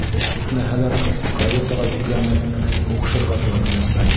Китмәһәләр, каютаға бикләнеп, һуғышырға тура киләсәк.